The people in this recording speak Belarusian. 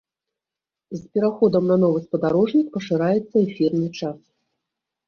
З пераходам на новы спадарожнік пашыраецца эфірны час.